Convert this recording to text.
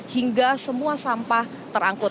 hingga semua sampah terangkut